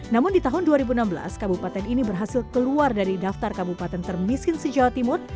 namun di tahun dua ribu enam belas kabupaten ini berhasil keluar dari daftar kabupaten termiskin se jawa timur